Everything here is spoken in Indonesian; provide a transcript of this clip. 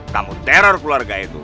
kamu teror keluarga itu